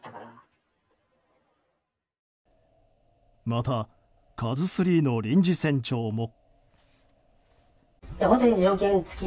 また、「ＫＡＺＵ３」の臨時船長も。